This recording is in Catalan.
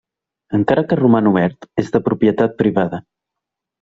Encara que roman obert, és de propietat privada.